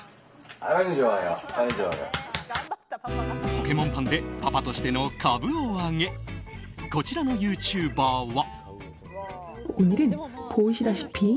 ポケモンパンでパパとしての株を上げこちらのユーチューバーは。